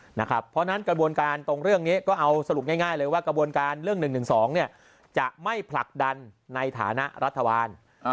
เพราะฉะนั้นกระบวนการตรงเรื่องนี้ก็เอาสรุปง่ายเลยว่ากระบวนการเรื่อง๑๑๒จะไม่ผลักดันในฐานะรัฐบาล